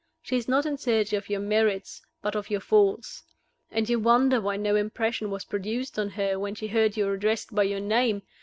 She is not in search of your merits, but of your faults. And you wonder why no impression was produced on her when she heard you addressed by your name!